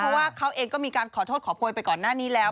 เพราะว่าเขาเองก็มีการขอโทษขอโพยไปก่อนหน้านี้แล้ว